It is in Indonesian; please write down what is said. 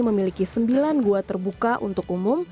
memiliki sembilan gua terbuka untuk umum